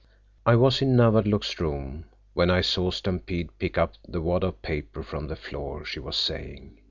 "I was in Nawadlook's room when I saw Stampede pick up the wad of paper from the floor," she was saying.